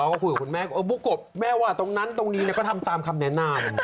ก็คุยกับคุณแม่บุ๊กกบแม่ว่าตรงนั้นตรงนี้ก็ทำตามคำแนะนำ